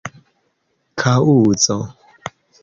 kaŭzo